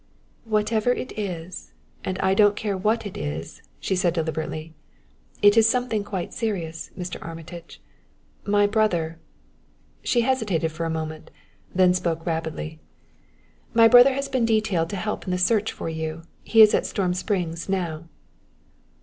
"Whatever it is, and I don't care what it is," she said deliberately, " it is something quite serious, Mr. Armitage. My brother " She hesitated for a moment, then spoke rapidly. "My brother has been detailed to help in the search for you. He is at Storm Springs now."